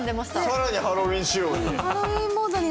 さらにハロウィーン仕様に。